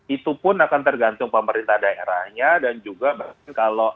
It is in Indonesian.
itu pun akan tergantung pemerintah daerahnya dan juga kalau